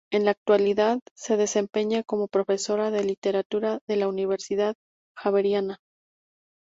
En la actualidad se desempeña como profesora de literatura de la Universidad Javeriana.